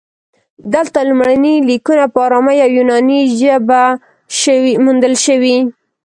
دلته لومړني لیکونه په ارامي او یوناني ژبو موندل شوي